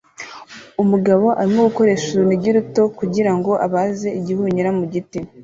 Umugabo arimo gukoresha urunigi ruto kugira ngo abaze igihunyira mu giti